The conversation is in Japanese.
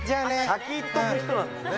先行っとく人なんですね。